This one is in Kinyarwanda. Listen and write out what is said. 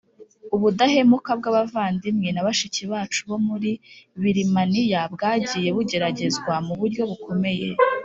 ubudahemuka bw abavandimwe na bashiki bacu bo muri Birimaniya bwagiye bugeragezwa mu buryo bukomeye